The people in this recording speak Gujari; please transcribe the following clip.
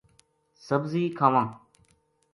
سبزی کھاواں